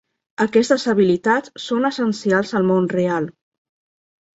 Aquestes habilitats són essencials al món real.